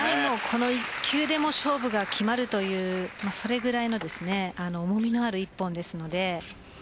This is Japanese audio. この１球で勝負が決まるそれぐらいの重みのある一本です。